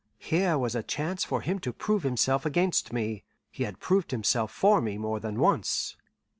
Here was a chance for him to prove himself against me; he had proved himself for me more than once.